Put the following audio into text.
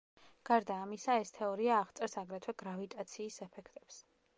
გარდა ამისა, ეს თეორია აღწერს აგრეთვე გრავიტაციის ეფექტებს.